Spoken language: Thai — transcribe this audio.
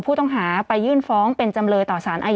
ผู้ต้องหาที่ขับขี่รถจากอายานยนต์บิ๊กไบท์